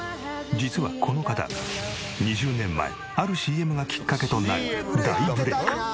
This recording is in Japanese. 実はこの方２０年前あるＣＭがきっかけとなり大ブレイク！